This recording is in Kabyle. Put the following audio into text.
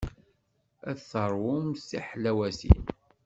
Ad teṛwumt tiḥlawatin.